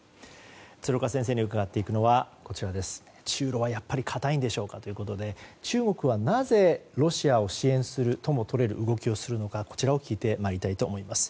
鶴岡先生に伺うのは中露はやはり固いんでしょうかということで中国はなぜロシアを支援するともとれる動きをするのか聞いてまいりたいと思います。